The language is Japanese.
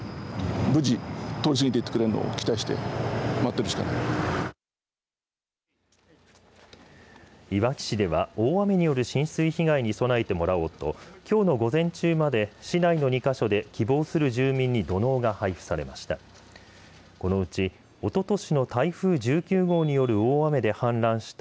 いわき市では大雨による浸水被害に備えてもらおうときょうの午前中まで市内の２か所で希望する住民に土のうが配布されました。